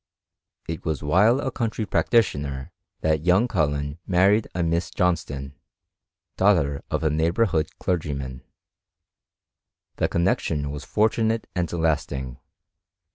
It was while a country pracdtKmer that young Col* len married a Miss Johnston, daoghter of a noghbonr in^ clergyman. The connexion was fortunate and last ing.